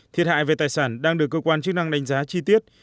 thiệt hại về tài sản đang được cơ quan chức năng đánh giá chi tiết